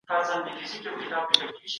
خلګ د ښارونو دباندې اوسيږي.